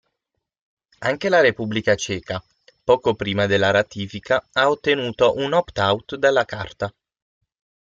Anche la Repubblica Ceca, poco prima della ratifica ha ottenuto un opt-out dalla Carta.